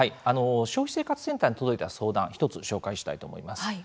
消費生活センターに届いていた相談１つ紹介したいと思います。